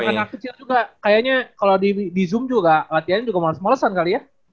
anak anak kecil juga kayaknya kalau di zoom juga latihannya juga males malesan kali ya